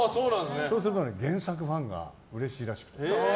そうすると原作ファンがうれしいらしくて。